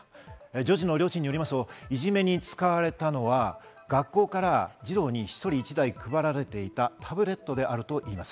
女児の両親によりますと、いじめに使われたのは学校から児童に１人１台配られていたタブレットであるといいます。